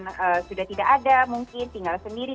yang sudah tidak ada mungkin tinggal sendiri